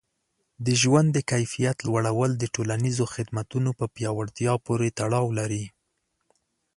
د ژوند د کیفیت لوړول د ټولنیزو خدمتونو په پیاوړتیا پورې تړاو لري.